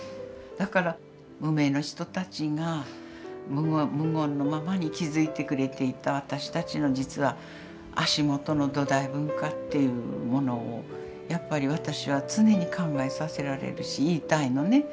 だから無名の人たちが無言のままに築いてくれていた私たちの実は足元の土台文化っていうものをやっぱり私は常に考えさせられるし言いたいのね。